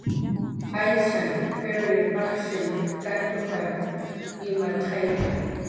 "Ayshan p""iwrirun pajshin kant ujar imarqayki. "